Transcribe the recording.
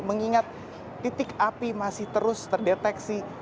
mengingat titik api masih terus terdeteksi